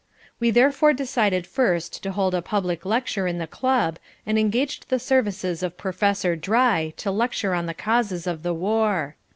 We therefore decided first to hold a public lecture in the club, and engaged the services of Professor Dry to lecture on the causes of the war.